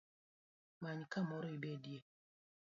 Many kamoro ibedie